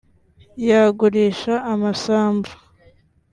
yagurisha amasambu